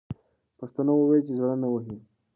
پښتنو وویل چې زړه نه وهي.